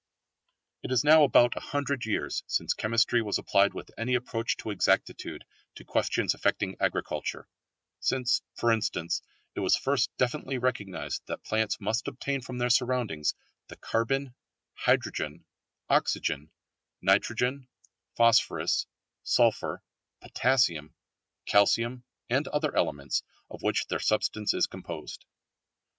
It is now about a hundred years since chemistry was applied with any approach to exactitude to questions affecting agriculture; since for instance it was first definitely recognised that plants must obtain from their surroundings the carbon, hydrogen, oxygen, nitrogen, phosphorus, sulphur, potassium, calcium, and other elements of which their substance is composed.